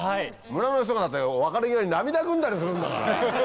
村の人がだって別れ際に涙ぐんだりするんだから。